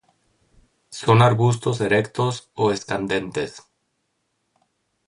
Son arbustos erectos o escandentes.